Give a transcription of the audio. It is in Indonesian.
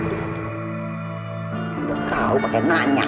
udah kau pake nanya